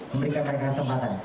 memberikan mereka kesempatan